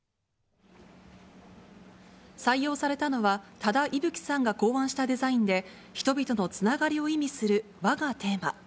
採用されたのは、多田伊吹さんが考案したデザインで、人々のつながりを意味する輪がテーマ。